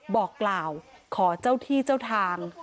บอกกล่าวขอเจ้าที่เจ้าทาง